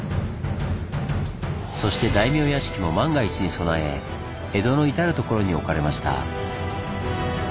そして大名屋敷も万が一に備え江戸の至る所に置かれました。